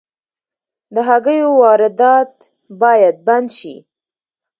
د هګیو واردات باید بند شي